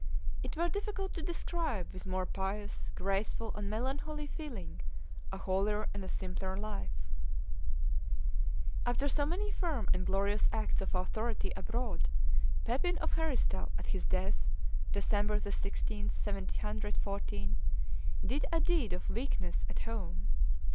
It were difficult to describe with more pious, graceful, and melancholy feeling a holier and a simpler life. After so many firm and glorious acts of authority abroad, Pepin of Heristal at his death, December 16, 714, did a deed of weakness at home.